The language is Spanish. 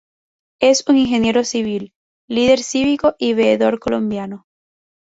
Es un ingeniero civil, líder cívico y veedor colombiano.